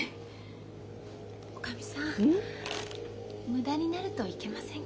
無駄になるといけませんから。